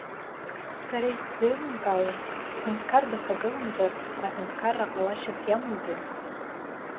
Сара исзеилымкаауа, ҳәынҭқар дахагыламзар, аҳәынҭкарра ҟалашьас иамоузеи?